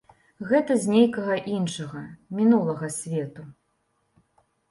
Гэта з нейкага іншага, мінулага, свету.